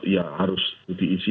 ya harus diisi